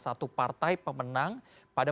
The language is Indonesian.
satu partai pemenang pada